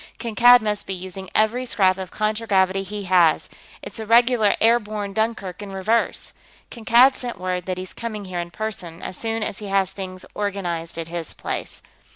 Kankad must be using every scrap of contragravity he has; it's a regular airborne Dunkirk in reverse. Kankad sent word that he's coming here in person, as soon as he has things organized at his place.